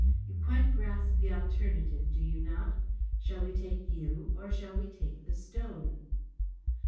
You quite grasp the alternative, do you not ? Shall we take you, or shall we have the stone